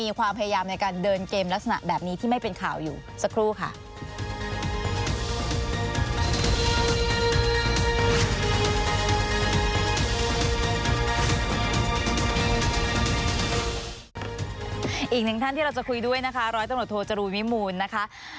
อีกหนึ่งท่านที่เราจะคุยด้วยนะคะร้อยตำรวจโทจรูลวิมูลนะคะ